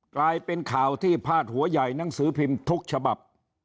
กลายเป็นข่าวที่พาดหัวใหญ่หนังสือพิมพ์ทุกฉบับ